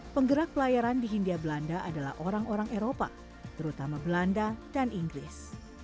penggerak pelayaran di hindia belanda adalah orang orang eropa terutama belanda dan inggris